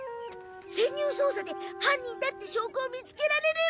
潜入捜査で犯人だって証拠を見つけられれば。